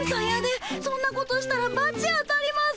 そんなことしたらばち当たります。